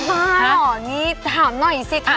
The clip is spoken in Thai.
บ้าหรอนี่ถามหน่อยสิครับ